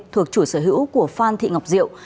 thuộc chủ sở hữu của phan thị ngọc diệu